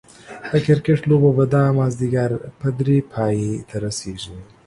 د کرکټ لوبه به دا ماځيګر په دري پايي ته رسيږي